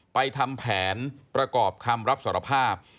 ทำแผนประกอบคำรับสารภาพ